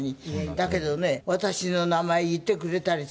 だけどね私の名前言ってくれたりするんでね。